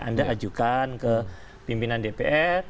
anda ajukan ke pimpinan dpr